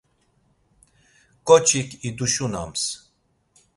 Ǩoçik iduşunams.